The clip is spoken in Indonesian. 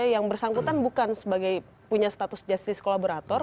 yang bersangkutan bukan punya status justice collaborator